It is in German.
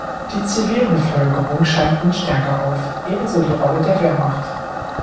Die Zivilbevölkerung scheint nun stärker auf; ebenso die Rolle der Wehrmacht.